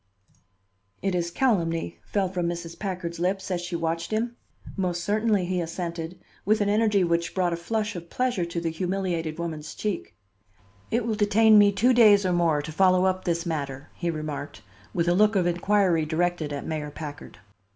"It is calumny," fell from Mrs. Packard's lips as she watched him. "Most certainly," he assented, with an energy which brought a flush of pleasure to the humiliated woman's cheek. "It will detain me two days or more to follow up this matter," he remarked, with a look of inquiry directed at Mayor Packard.